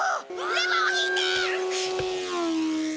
レバーを引いて！